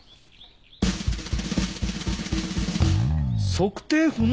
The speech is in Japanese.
「測定不能」！？